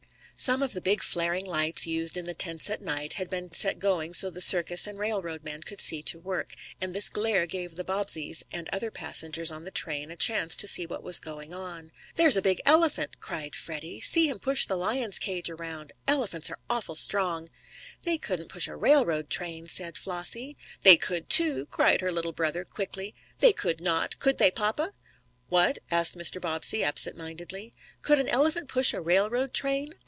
Some of the big, flaring lights, used in the tents at night, had been set going so the circus and railroad men could see to work, and this glare gave the Bobbseys and other passengers on the train a chance to see what was going on. "There's a big elephant!" cried Freddie. "See him push the lion's cage around. Elephants are awful strong!" "They couldn't push a railroad train," said Flossie. "They could too!" cried her little brother, quickly. "They could not. Could they, papa?" "What?" asked Mr. Bobbsey, absentmindedly. "Could an elephant push a railroad train?"